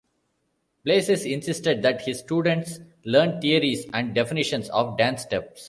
Blasis insisted that his students learn theories and definitions of dance steps.